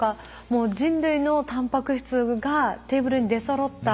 もう人類のタンパク質がテーブルに出そろった。